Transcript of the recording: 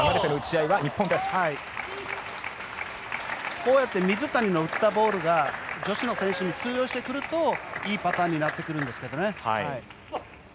こうやって水谷の打ったボールが女子の選手に通用してくるといいパターンになってくるんですけどね。